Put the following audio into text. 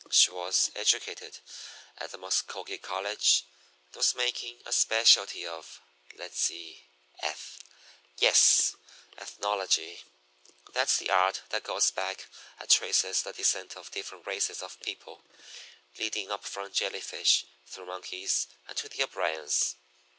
She was educated at the Muscogee College, and was making a specialty of let's see eth yes, ethnology. That's the art that goes back and traces the descent of different races of people, leading up from jelly fish through monkeys and to the O'Briens.